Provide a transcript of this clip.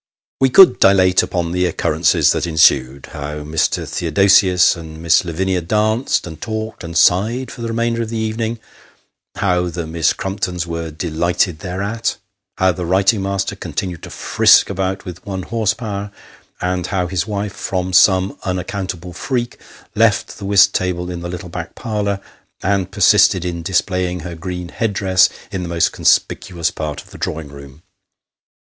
We could dilate upon the occurrences that ensued. How Mr. Theodosius and Miss Lavinia danced, and talked, and sighed for the remainder of the evening how the Miss Crumptons were delighted thereat. How the writing master continued to frisk about with one horse power, and how his wife, from some unacccountable freak, left the whist table in the little back parlour, and persisted in displaying her green headdress in the most conspicuous part of the drawing room.